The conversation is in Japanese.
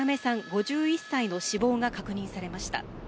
５１歳の死亡が確認されました。